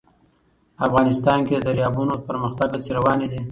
افغانستان کې د دریابونه د پرمختګ هڅې روانې دي.